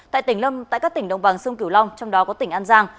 tại tỉnh lâm tại các tỉnh đồng bằng sông kiểu long trong đó có tỉnh an giang